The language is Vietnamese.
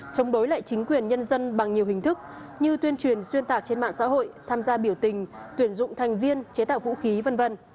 chống đối lại chính quyền nhân dân bằng nhiều hình thức như tuyên truyền xuyên tạc trên mạng xã hội tham gia biểu tình tuyển dụng thành viên chế tạo vũ khí v v